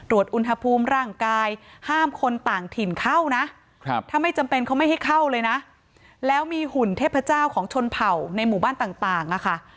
อุณหภูมิร่างกายห้ามคนต่างถิ่นเข้านะถ้าไม่จำเป็นเขาไม่ให้เข้าเลยนะแล้วมีหุ่นเทพเจ้าของชนเผ่าในหมู่บ้านต่างอะค่ะ